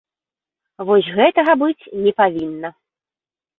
Вось гэтага быць не павінна.